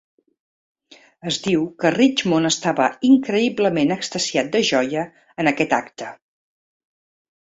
Es diu que Richmond estava "increïblement extasiat de joia" en aquest acte.